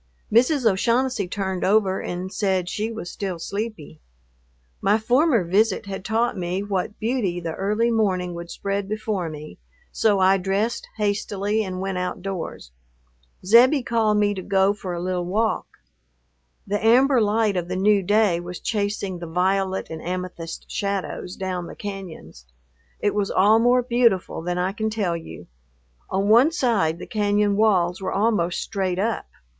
Mrs. O'Shaughnessy turned over and said she was still sleepy. My former visit had taught me what beauty the early morning would spread before me, so I dressed hastily and went outdoors. Zebbie called me to go for a little walk. The amber light of the new day was chasing the violet and amethyst shadows down the cañons. It was all more beautiful than I can tell you. On one side the cañon walls were almost straight up.